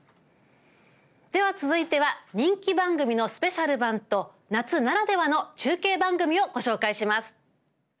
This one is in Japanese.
では、続いては人気番組のスペシャル版と夏ならではの中継番組をご紹介します。